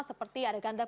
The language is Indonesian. seperti adi gandara